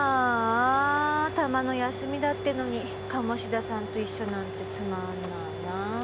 たまの休みだってのに鴨志田さんと一緒なんてつまんないなぁ。